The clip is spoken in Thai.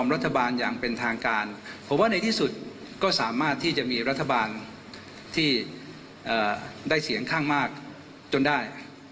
รัฐบาลที่เอ่อได้เสียงข้างมากจนได้